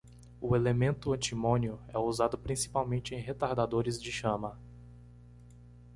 O elemento antimônio é usado principalmente em retardadores de chama.